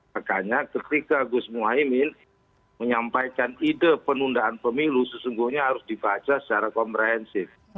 makanya ketika gus muhaymin menyampaikan ide penundaan pemilu sesungguhnya harus dibaca secara komprehensif